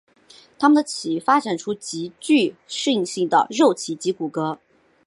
它们的鳍发展出具适应性的肉鳍及骨骼。